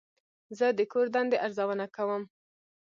زه د کور دندې ارزونه کوم.